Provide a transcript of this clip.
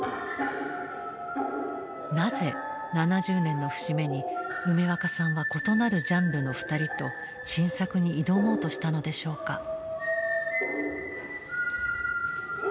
なぜ７０年の節目に梅若さんは異なるジャンルの２人と新作に挑もうとしたのでしょうか？